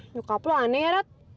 nyokap lo aneh ya rat